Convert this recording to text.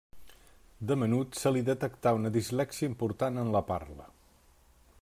De menut se li detectà una dislèxia important en la parla.